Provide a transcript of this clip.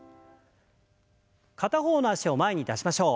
片方の脚を前に出しましょう。